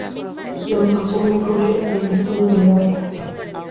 Su educación incluye el estudio del arte.